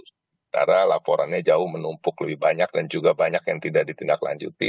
karena laporannya jauh menumpuk lebih banyak dan juga banyak yang tidak ditindaklanjuti